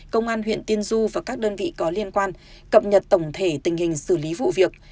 công an huyện tiên du và các đơn vị có liên quan cập nhật tổng thể tình hình xử lý vụ việc